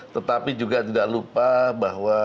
tetapi juga tidak lupa bahwa